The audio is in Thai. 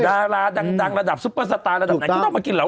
ดาราดังระดับซุปเปอร์สตาร์ระดับไหนก็ต้องมากินเห